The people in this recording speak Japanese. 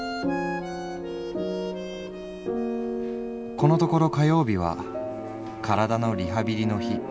「このところ火曜日は体のリハビリの日。